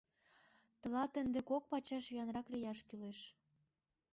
Тылат ынде кок пачаш виянрак лияш кӱлеш.